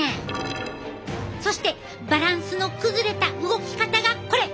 そしてバランスの崩れた動き方がこれ！